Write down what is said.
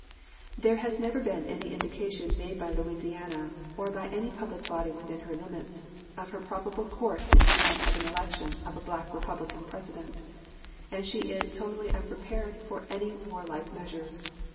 There has never been any indication made by Louisiana, or by any public body within her limits, of her probable course in the event of an election of a Black Republican President, and she is totally unprepared for any warlike measures.